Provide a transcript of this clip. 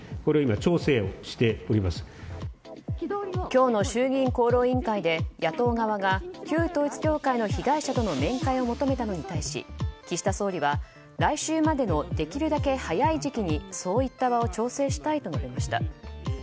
今日の衆議院厚労委員会で野党側が旧統一教会の被害者との面会を求めたのに対し岸田総理は、来週までのできるだけ早い時期にそういった場を調整したいと述べました。